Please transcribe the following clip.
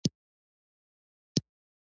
تر زبېښونکو بنسټونو لاندې وده.